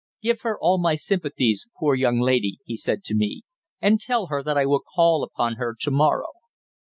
"Give her all my sympathies, poor young lady," he said to me. "And tell her that I will call upon her to morrow."